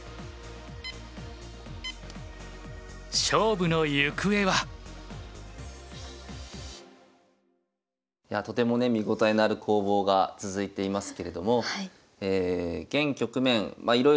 勝負の行方は⁉いやあとてもね見応えのある攻防が続いていますけれども現局面まあ